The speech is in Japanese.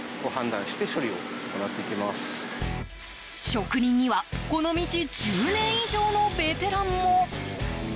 職人にはこの道１０年以上のベテランも。